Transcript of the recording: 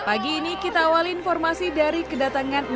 pagi ini kita awal informasi dari kedatangan